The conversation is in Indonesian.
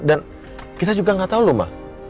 dan kita juga gak tau lho ma